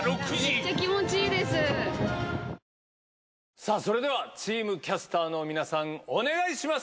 さあ、それではチームキャスターの皆さん、お願いします。